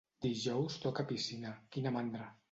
Dijous toca piscina; quina mandra.